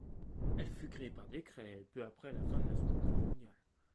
Elle fut créée par décret peu après la fin de la Seconde Guerre mondiale.